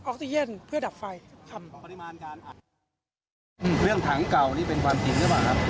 ออกซิเจนเพื่อดับไฟทำปริมาณการอัดอืมเรื่องถังเก่านี่เป็นความจริงหรือเปล่าครับ